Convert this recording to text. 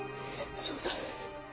そうだ。